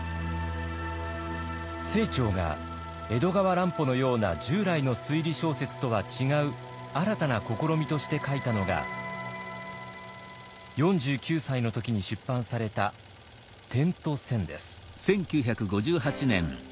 清張が江戸川乱歩のような従来の推理小説とは違う新たな試みとして書いたのが４９歳の時に出版された「点と線」です。